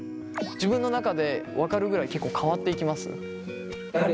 自分の中で分かるぐらい結構変わっていきます？